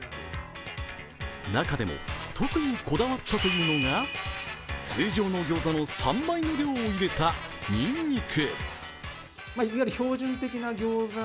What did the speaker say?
中でも特にこだわったというのが通常の餃子の３杯の量を入れたにんにく。